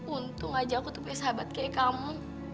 untung aja aku tuh punya sahabat kayak kamu